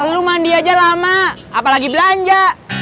lu mandi aja lama apalagi belanja